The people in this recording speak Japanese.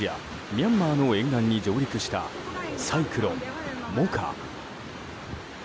ミャンマーの沿岸に上陸したサイクロン、モカ。